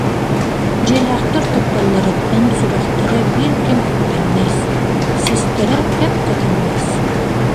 Дьиэлээхтэр кутталларыттан сүрэхтэрэ биир кэм эппэҥнэс, систэрэ кэп-кэдэҥнэс